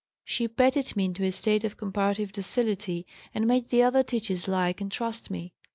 She petted me into a state of comparative docility and made the other teachers like and trust me.